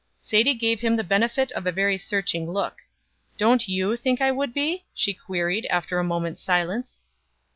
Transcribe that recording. Sadie gave him the benefit of a very searching look. "Don't you think I would be?" she queried, after a moment's silence.